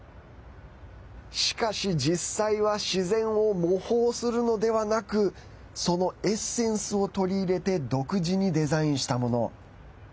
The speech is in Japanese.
しかし、実際は自然を模倣するのではなくそのエッセンスを取り入れて独自にデザインしたもの。